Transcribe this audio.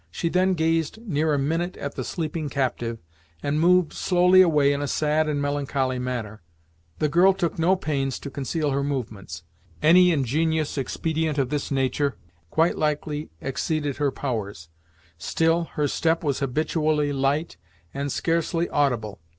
She then gazed near a minute at the sleeping captive, and moved slowly away in a sad and melancholy manner. The girl took no pains to conceal her movements. Any ingenious expedient of this nature quite likely exceeded her powers; still her step was habitually light, and scarcely audible.